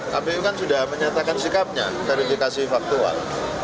kpu kan sudah menyatakan sikapnya verifikasi faktual